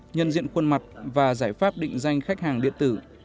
nhân diện khuôn mặt và giải pháp định danh khách hàng điện tử